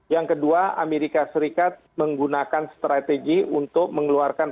yang kedua amerika serikat menggunakan strategi untuk mengeluarkan